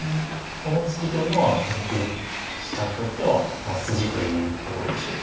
この突きというのは佐々木七段にとってはまあ筋というところでしょうか。